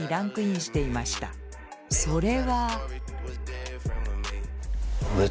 それは。